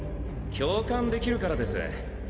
共感できるからです。